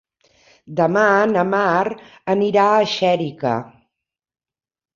Demà na Mar anirà a Xèrica.